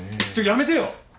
やめてよ！